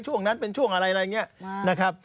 ช่วงนั้นเป็นช่วงอะไรอะไรอย่างนี้นะครับ